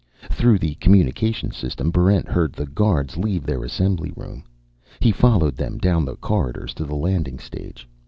Through the communications system, Barrent heard the guards leave their assembly room. He followed them down the corridors to the landing stage.